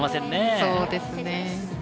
そうですね。